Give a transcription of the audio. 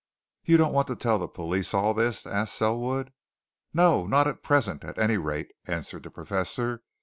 "You don't want to tell the police all this?" asked Selwood. "No! Not at present, at any rate," answered the Professor.